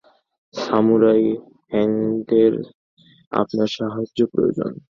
Samurai হ্যাংকের আপনার সাহায্য প্রয়োজন।